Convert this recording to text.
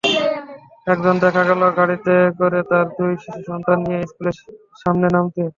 একজনকে দেখা গেল গাড়িতে করে তাঁর দুই শিশুসন্তান নিয়ে স্কুলের সামনে নামতে।